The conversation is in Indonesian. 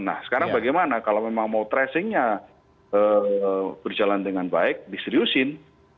nah sekarang bagaimana kalau memang mau tracingnya berjalan dengan baik diseriusin